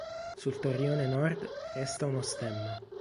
Sul torrione nord resta uno stemma.